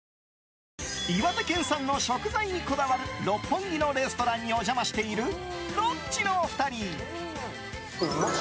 岩手県産の食材にこだわる六本木のレストランにお邪魔しているロッチのお二人。